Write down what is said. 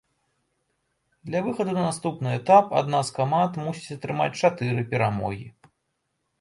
Для выхаду на наступны этап адна з каманд мусіць атрымаць чатыры перамогі.